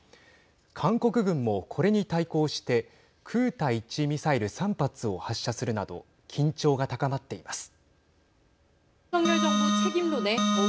韓国軍も、これに対抗して空対地ミサイル３発を発射するなど緊張が高まっています。